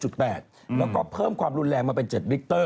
แล้วก็เพิ่มความรุนแรงมาเป็น๗วิกเตอร์